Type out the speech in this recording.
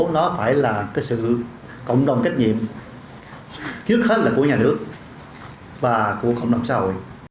nó phải là cái sự cộng đồng kết nhiệm trước hết là của nhà nước và của cộng đồng xã hội